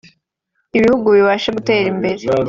ibihugu bibashe gutera imbere